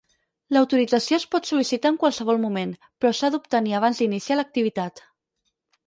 L'autorització es pot sol·licitar en qualsevol moment, però s'ha d'obtenir abans d'iniciar l'activitat.